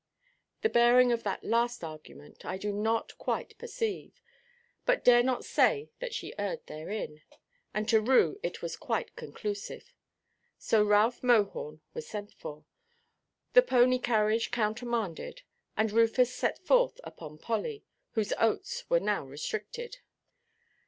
The bearing of that last argument I do not quite perceive, but dare not say that she erred therein, and to Rue it was quite conclusive. So Ralph Mohorn was sent for, the pony–carriage countermanded, and Rufus set forth upon Polly, whose oats were now restricted.